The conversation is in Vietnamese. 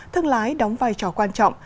thương lái đóng vai trò quan trọng